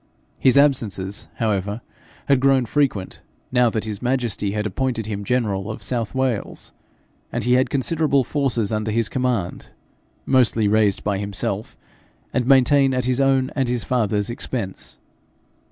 His absences, however, had grown frequent now that his majesty had appointed him general of South Wales, and he had considerable forces under his command mostly raised by himself, and maintained at his own and his father's expense.